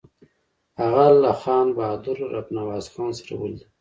هغه له خان بهادر رب نواز خان سره ولیدل.